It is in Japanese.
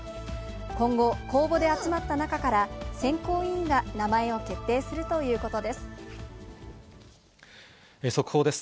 今後、公募で集まった中から、選考委員が名前を決定するということです。